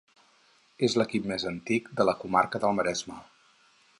És l'equip més antic de la comarca del Maresme.